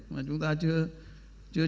mà chúng ta chưa